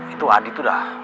itu adi tuh